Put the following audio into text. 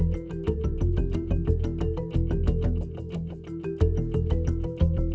เวยบ้านสุดที่ต้องการสนับบุรี